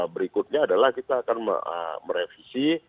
berikutnya adalah kita akan merevisi